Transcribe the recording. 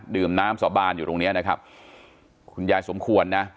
ดื่มน้ำสาบานอยู่ตรงเนี้ยนะครับคุณยายสมควรนะ